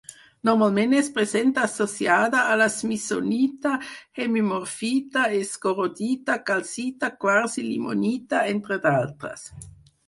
Normalment es presenta associada a la smithsonita, hemimorfita, escorodita, calcita, quars i limonita, entre d'altres.